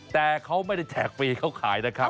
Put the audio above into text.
แต่เขาไม่ได้แจกฟรีเขาขายนะครับ